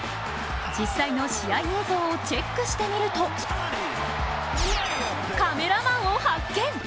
実際の試合映像をチェックしてみると、カメラマンを発見！